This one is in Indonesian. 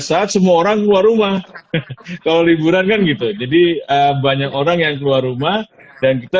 saat semua orang keluar rumah kalau liburan kan gitu jadi banyak orang yang keluar rumah dan kita